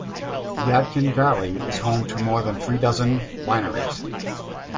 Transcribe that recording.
Yadkin Valley is home to more than three dozen wineries.